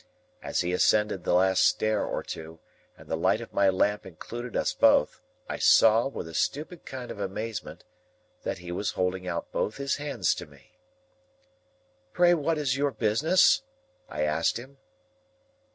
As he ascended the last stair or two, and the light of my lamp included us both, I saw, with a stupid kind of amazement, that he was holding out both his hands to me. "Pray what is your business?" I asked him.